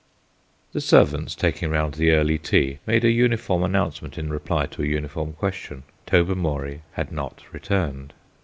The servants taking round the early tea made a uniform announcement in reply to a uniform question. Tobermory had not returned.